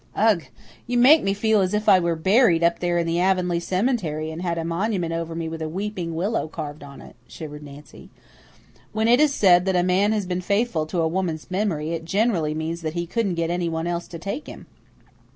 "Ugh! You make me feel as if I were buried up there in the Avonlea cemetery and had a monument over me with a weeping willow carved on it," shivered Nancy. "When it is said that a man has been faithful to a woman's memory it generally means that he couldn't get anyone else to take him."